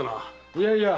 いやいや。